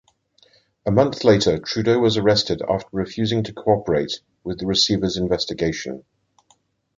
A month later Trudeau was arrested after refusing to cooperate with the receiver's investigation.